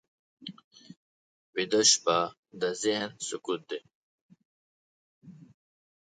ویده شپه د ذهن سکوت دی